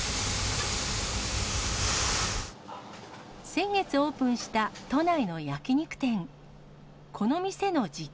先月オープンした都内の焼き肉店。